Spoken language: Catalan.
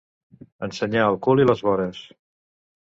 Ensenyar el cul i les vores.